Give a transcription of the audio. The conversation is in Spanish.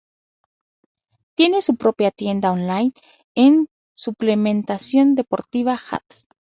Tiene su propia tienda online de suplementación deportiva "Hades".